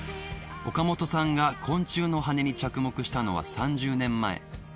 岡本さんが昆虫のハネに着目したのは３０年前。